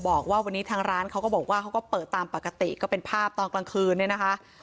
บอกว่าวันนี้ทางร้านเขาก็บอกว่าเขาก็เปิดตามปกติก็เป็นภาพตอนกลางคืนเนี่ยนะคะ